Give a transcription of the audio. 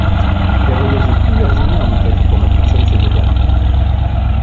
Il a voyagé plusieurs années en Italie pour mettre en scène ses opéras.